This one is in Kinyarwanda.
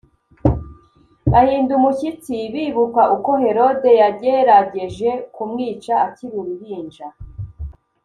. Bahinda umushyitsi bibuka uko Herode yagerageje kumwica akiri uruhinja